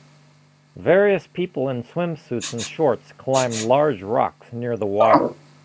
Various people in swimsuits and shorts climb large rocks near the water.